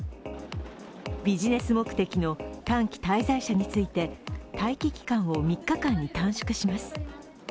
ビジネス目的の短期滞在者について、待機期間を３日間に短縮します。